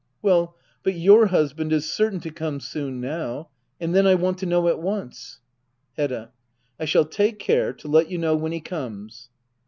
Well, but your husband is certain to come soon now ; and then I want to know at onc e ■ Hedda. I shall take care to let you know when he comes.